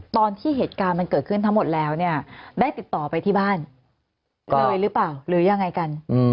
ตอนที่เหตุการณ์มันเกิดขึ้นทั้งหมดแล้วเนี่ยได้ติดต่อไปที่บ้านเลยหรือเปล่าหรือยังไงกัน